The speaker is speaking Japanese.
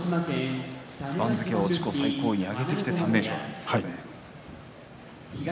番付は自己最高位に上げてきて３連勝です。